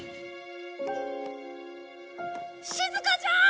しずかちゃーん！